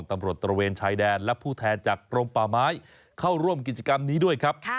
ตระเวนชายแดนและผู้แทนจากกรมป่าไม้เข้าร่วมกิจกรรมนี้ด้วยครับ